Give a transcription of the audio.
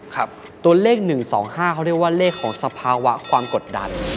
ตัวเลข๑๒๕เขาเรียกว่าเลขของสภาวะความกดดัน